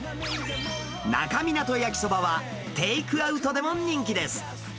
那珂湊焼きそばはテイクアウトでも人気です。